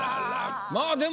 ああ。